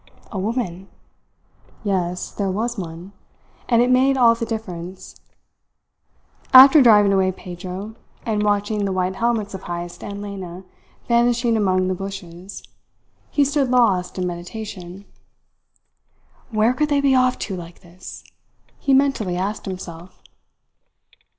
A woman? Yes, there was one; and it made all the difference. After driving away Pedro, and watching the white helmets of Heyst and Lena vanishing among the bushes he stood lost in meditation. "Where could they be off to like this?" he mentally asked himself.